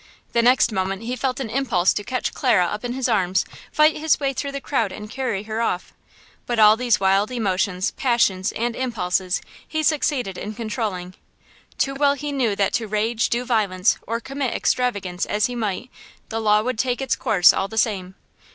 The next moment he felt an impulse to catch Clara up in his arms, fight his way through the crowd and carry her off! But all these wild emotions, passions and impulses he succeeded in controlling. Too well he knew that to rage, do violence, or commit extravagance as he might, the law would take its course all the same.